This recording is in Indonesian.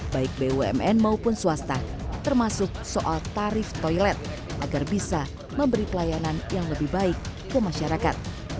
baik bumn maupun swasta termasuk soal tarif toilet agar bisa memberi pelayanan yang lebih baik ke masyarakat